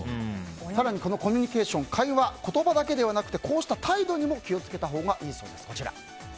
更にコミュニケーション、会話言葉だけではなくてこうした態度にも気を付けたほうがいいそうです。